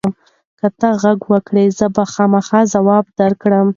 که ته غږ وکړې، زه به خامخا ځواب درکړم.